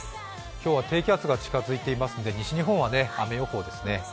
今日は低気圧が近づいていますので西日本は雨予報ですね。